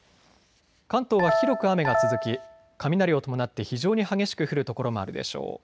関東は広く雨が続き雷を伴って非常に激しく降る所もあるでしょう。